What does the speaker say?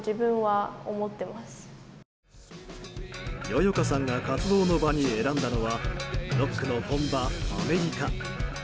よよかさんが活動の場に選んだのはロックの本場アメリカ。